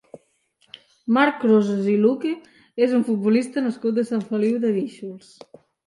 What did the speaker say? Marc Crosas i Luque és un futbolista nascut a Sant Feliu de Guíxols.